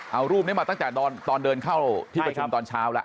เอารูปนี้มาตั้งแต่ตอนเดินเข้าที่ประชุมตอนเช้าแล้ว